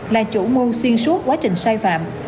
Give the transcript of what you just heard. là chủ mưu xuyên suốt quá trình sai phạm